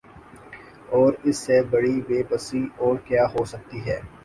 اور اس سے بڑی بے بسی اور کیا ہو سکتی ہے